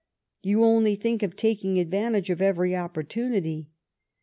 You only think of taking advantage of every opportimity.